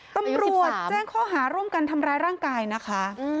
ตำรวจแจ้งข้อหาร่วมกันทำร้ายร่างกายนะคะ